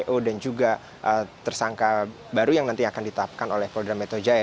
o dan juga tersangka baru yang nanti akan ditapkan oleh polda metro jaya